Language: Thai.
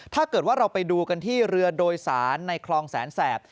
ถ้าเกิดว่าเราไปดูกันที่เรือโดยสารในคลองแสนแสบ